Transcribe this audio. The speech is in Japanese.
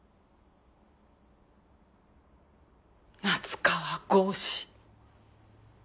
夏河郷士。